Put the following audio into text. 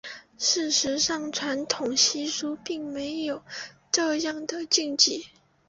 事实上传统习俗并没有这样的禁忌。